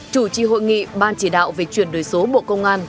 chủ trì hội nghị ban chỉ đạo về chuyển đổi số bộ công an